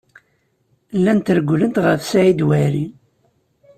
Llant rewwlent ɣef Saɛid Waɛli.